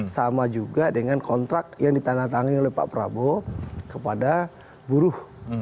sama juga dengan kontrak yang ditandatangani oleh pak prabowo kepada buruh